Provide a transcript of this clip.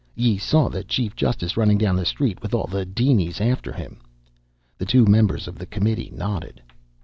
Ye saw the chief justice runnin' down the street with all the dinies after him." The two members of the committee nodded.